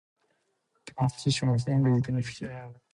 The constitution was only briefly in effect.